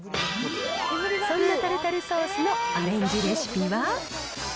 そんなタルタルソースのアレンジレシピは。